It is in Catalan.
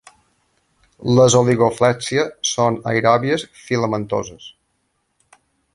Les oligoflèxia són aeròbies filamentoses.